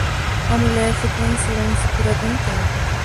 A mulher ficou em silêncio por algum tempo.